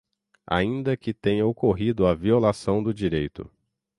ainda que tenha ocorrido a violação do direito.